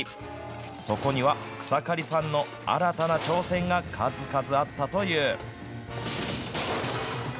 そこには、草刈さんの新たな挑戦が数々あったという。